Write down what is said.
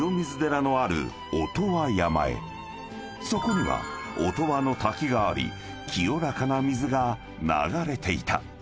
［そこには音羽の滝があり清らかな水が流れていた］